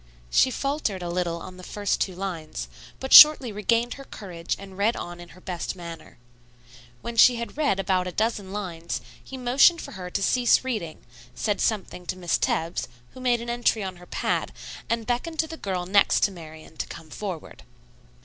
She faltered a little on the first two lines, but shortly regained her courage and read on in her best manner. When she had read about a dozen lines he motioned for her to cease reading, said something to Miss Tebbs, who made an entry on her pad, and beckoned to the girl next to Marian to come forward.